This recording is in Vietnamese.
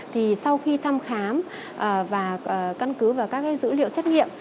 thì sau khi thăm khám và căn cứ vào các dữ liệu xét nghiệm